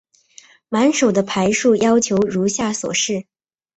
满手的牌数要求如下所示。